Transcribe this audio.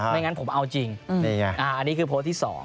งั้นผมเอาจริงอันนี้คือโพสต์ที่๒